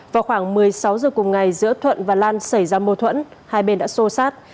vào khoảng một mươi sáu giờ cùng ngày giữa thuận và lan xảy ra mâu thuẫn hai bên đã xô sát